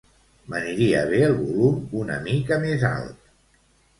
M'aniria bé el volum una mica més alt.